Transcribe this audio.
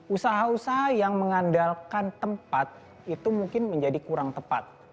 usaha usaha yang mengandalkan tempat itu mungkin menjadi kurang tepat